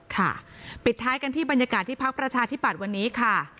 ค่ะปิดท้ายกันที่บรรยากาศที่พักประชาธิบัติวันนี้ค่ะ